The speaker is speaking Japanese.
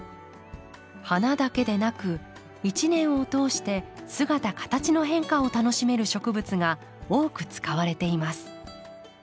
花だけでなく一年を通して姿形の変化を楽しめる植物が多く使われています。